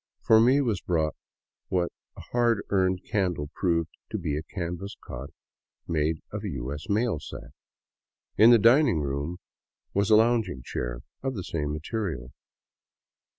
For me was brought what a hard earned candle proved to be a canvas cot, made of a U. S. mail sack. In the dining room " was a lounging chair of the same material.